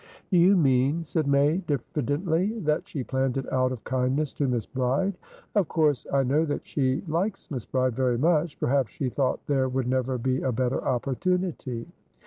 "Do you mean," said May, diffidently, "that she planned it out of kindness to Miss Bride? Of course I know that she likes Miss Bride very much. Perhaps she thought there would never be a better opportunity."